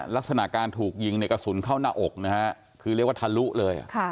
ลักษณะการถูกยิงในกระสุนเข้าหน้าอกนะฮะคือเรียกว่าทะลุเลย